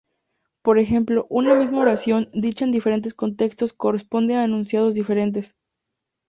Por ejemplo, una misma oración dicha en diferentes contextos corresponde a enunciados diferentes.